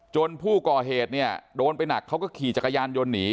ผู้ก่อเหตุเนี่ยโดนไปหนักเขาก็ขี่จักรยานยนต์หนี